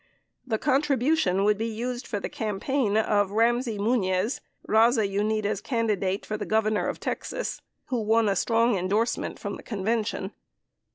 The contribution would be used for the campaign of Bam sey Muniz, Baza Unida Candidate for Governor of Texas, who won a strong endorsement from the convention.